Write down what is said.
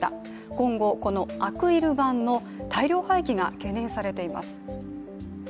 今後、このアクリル板の大量廃棄が懸念されています。